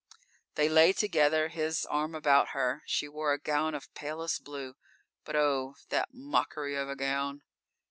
_ They lay together, his arm about her. She wore a gown of palest blue, but oh, that mockery of a gown!